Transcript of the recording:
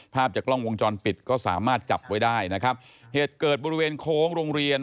ภาพจากกล้องวงจรปิดก็สามารถจับไว้ได้นะครับเหตุเกิดบริเวณโค้งโรงเรียน